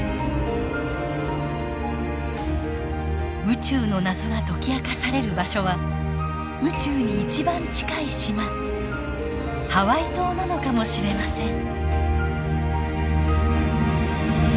宇宙の謎が解き明かされる場所は宇宙に一番近い島ハワイ島なのかもしれません。